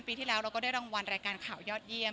ปีที่แล้วเราก็ได้รางวัลรายการข่าวยอดเยี่ยม